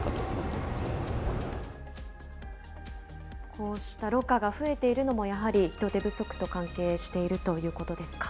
こうしたロッカーが増えているのも、やはり人手不足と関係しているということですか。